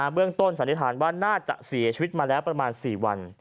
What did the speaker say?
เรื่องต้นสันนิษฐานว่าน่าจะเสียชีวิตมาแล้วประมาณ๔วัน